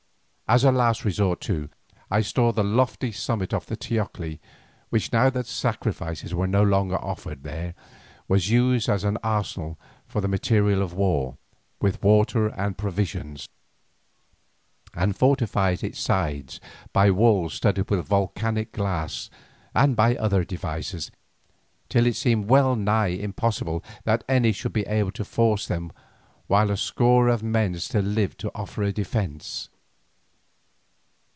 As a last resource too, I stored the lofty summit of the teocalli, which now that sacrifices were no longer offered there was used as an arsenal for the material of war, with water and provisions, and fortified its sides by walls studded with volcanic glass and by other devices, till it seemed well nigh impossible that any should be able to force them while a score of men still lived to offer a defence.